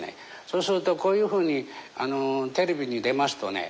そうするとこういうふうにテレビに出ますとね